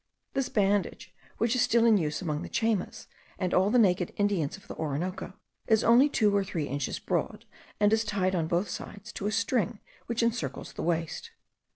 This bandage, which is still in use among the Chaymas, and all the naked nations of the Orinoco, is only two or three inches broad, and is tied on both sides to a string which encircles the waist.